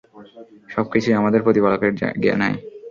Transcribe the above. সব কিছুই আমাদের প্রতিপালকের জ্ঞানায়।